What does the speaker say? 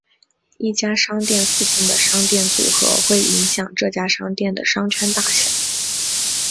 一家商店附近的商店组合会影响这家商店的商圈大小。